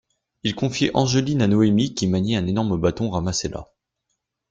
Il confiait Angeline à Noémie qui maniait un énorme bâton ramassé là.